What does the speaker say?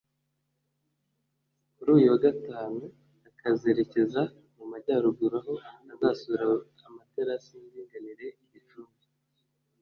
kuri uyu wa Gatanu akazerekeza mu Majyaruguru aho azasura amaterasi y’indinganire i Gicumbi